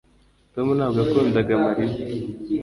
tom ntabwo yakundaga mariya